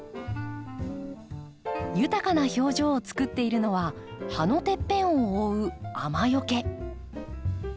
豊かな表情をつくっているのは葉のてっぺんを覆う雨よけ。